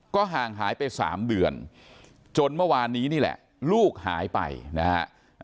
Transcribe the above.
ก็ห่างหายไป๓เดือนจนเมื่อวานนี้นี่แหละลูกหายไปนะฮะ